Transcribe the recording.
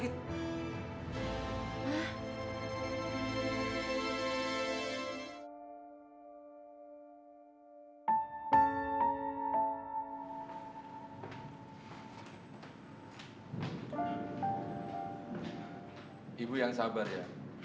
ibu yang sabar ya